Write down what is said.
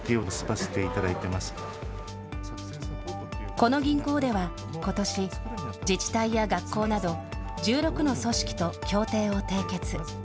この銀行ではことし、自治体や学校など、１６の組織と協定を締結。